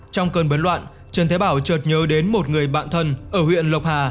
trong cơn bấn loạn trần thế bảo trợt nhớ đến một người bạn thân ở huyện lộc hà